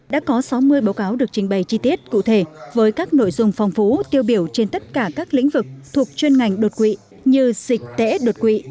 đã có sáu mươi báo cáo được trình bày chi tiết cụ thể với các nội dung phong phú tiêu biểu trên tất cả các lĩnh vực thuộc chuyên ngành đột quỵ như dịch tễ đột quỵ